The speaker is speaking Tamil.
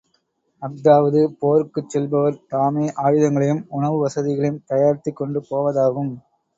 அஃதாவது போருக்குச் செல்பவர் தாமே ஆயுதங்களையும் உணவு வசதிகளையும் தயாரித்துக் கொண்டு போவதாகும்.